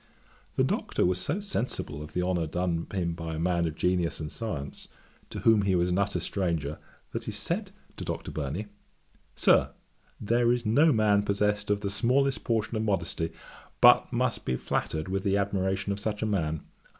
The Doctor was so sensible of the honour done him by a man of genius and science, to whom he was an utter stranger, that he said to Dr. Burney, "Sir, there is no man possessed of the smallest portion of modesty, but must be flattered with the admiration of such a man.